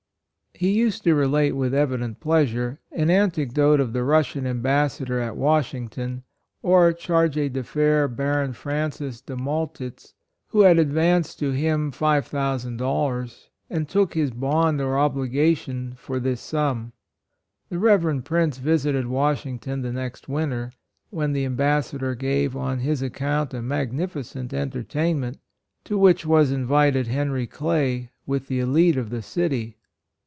He used to relate, with evident pleasure, an anecdote of the Rus sian Ambassador at Washington or Charge d'Aifairs, Baron Francis de Maltitz, who had advanced to him $5,000, and took his bond or obli gation for this sum. The Reverend Prince visited Washington the next winter, when the Ambassador gave on his account a magnificent en tertainment, to which was invited Henry Clay, with the elite of the city.